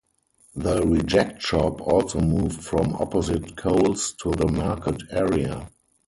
The Reject Shop also moved from opposite Coles to The Market area.